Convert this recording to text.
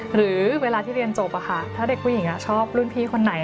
หรือเวลาที่เรียนจบถ้าเด็กผู้หญิงชอบรุ่นพี่คนไหน